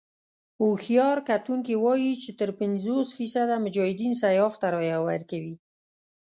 هوښیار کتونکي وايي چې تر پينځوس فيصده مجاهدين سیاف ته رايه ورکوي.